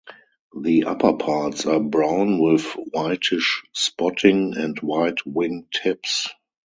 The upperparts are brown with whitish spotting and white wing tips.